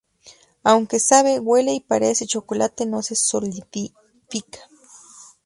Aunque sabe, huele y parece chocolate, no se solidifica.